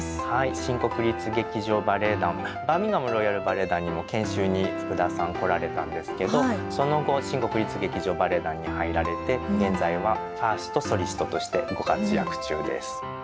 新国立劇場バレエ団バーミンガム・ロイヤル・バレエ団にも研修に福田さん来られたんですけどその後新国立劇場バレエ団に入られて現在はファーストソリストとしてご活躍中です。